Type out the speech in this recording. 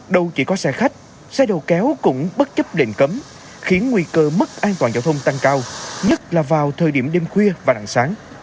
đâu chỉ có xe khách xe đầu kéo cũng bất chấp lệnh cấm khiến nguy cơ mất an toàn giao thông tăng cao nhất là vào thời điểm đêm khuya và rạng sáng